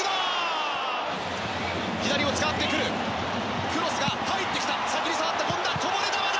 左を使ってくるクロスが入ってきた先に触った権田。